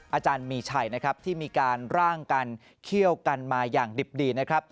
อาจารย์มีชัยที่มีการร่างกันเครียวกันมาดิบดี